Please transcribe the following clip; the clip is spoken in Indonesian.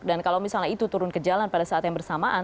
dan kalau misalnya itu turun ke jalan pada saat yang bersamaan